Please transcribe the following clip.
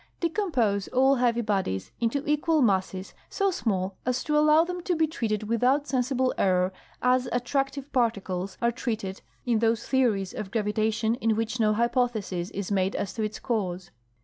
Decompose all heavy bodies into equal masses so small as to allow them to be treated without sensible error as attractive particles are treated in those theories of gravitation in which no hypothesis is made as to its cause.